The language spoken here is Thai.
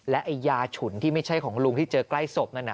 และยาฉุนที่ไม่ใช่ของลุงที่เจอใกล้ศพนั่น